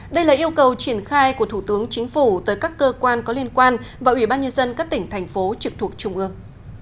đây là yêu cầu triển khai của thủ tướng chính phủ tới các cơ quan có liên quan và ủy ban nhân dân các tỉnh thành phố trực thuộc trung ương